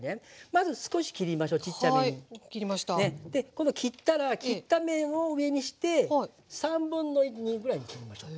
今度切ったら切った面を上にして2/3ぐらいに切りましょう。